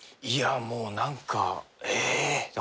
いやもう何かえっ！